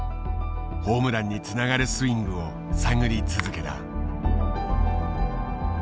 ホームランにつながるスイングを探り続けた。